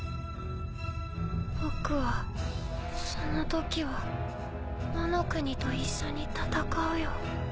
僕はそのときはワノ国と一緒に戦うよ。